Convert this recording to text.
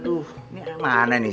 aduh ini mana nih